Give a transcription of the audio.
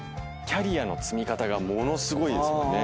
キャリアの積み方がものすごいですもんね。